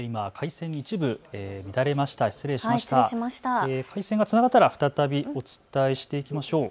回線がつながったら再びお伝えしていきましょう。